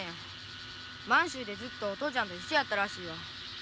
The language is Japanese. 満州でずっとお父ちゃんと一緒やったらしいわ。